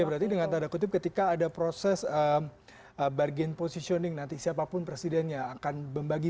berarti dengan tanda kutip ketika ada proses bargain positioning nanti siapapun presidennya akan membagi